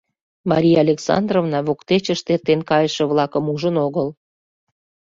Мария Александровна воктечышт эртен кайыше-влакым ужын огыл